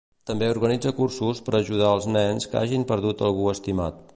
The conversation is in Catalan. També organitza cursos per ajudar els nens que hagin perdut algú estimat.